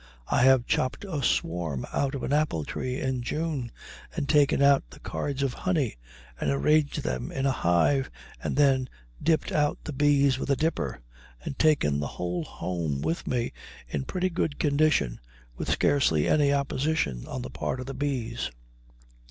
I have chopped a swarm out of an apple tree in June, and taken out the cards of honey and arranged them in a hive, and then dipped out the bees with a dipper, and taken the whole home with me in pretty good condition, with scarcely any opposition on the part of the bees.